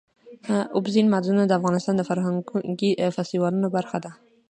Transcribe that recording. اوبزین معدنونه د افغانستان د فرهنګي فستیوالونو برخه ده.